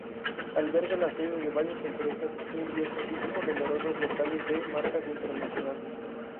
Alberga la sede de varias empresas indias, así como numerosos locales de marcas internacionales.